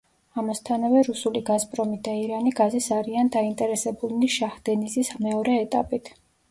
ამასთანავე, რუსული „გაზპრომი“ და ირანი გაზის არიან დაინტერესებულნი შაჰდენიზის მეორე ეტაპით.